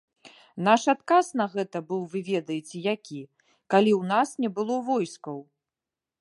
Наш адказ на гэта быў вы ведаеце які, калі ў нас не было войскаў?